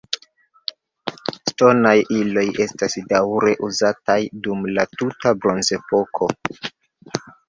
Ŝtonaj iloj estas daŭre uzataj dum la tuta bronzepoko.